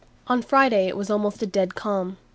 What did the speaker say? On the Friday it was almost a dead calm.